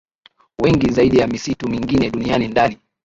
wengi zaidi ya misitu mingine duniani Ndani